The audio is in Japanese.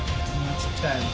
ちっちゃいのに。